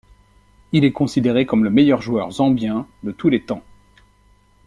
Il est considéré comme le meilleur joueur zambien de tous les temps.